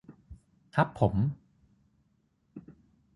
ฮับผม